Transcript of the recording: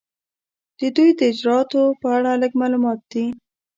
د دوی د اجرااتو په اړه لږ معلومات دي.